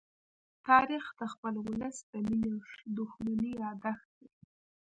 تاریخ د خپل ولس د مینې او دښمنۍ يادښت دی.